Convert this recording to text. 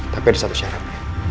tapi ada satu syarat